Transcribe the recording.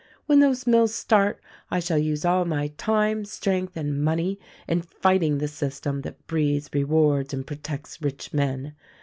When those mills start I shall use all my time, strength and money in fighting the sys tem that breeds, rewards and protects rich men.